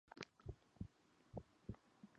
His later works were mostly in the genre of landscape.